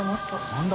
何だ？